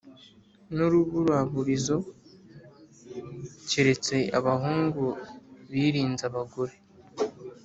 n’uruburaburizo keretse abahungu birinze abagore.